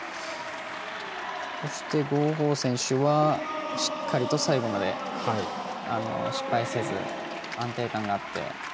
そして、呉鵬選手はしっかりと最後まで失敗せず安定感があって。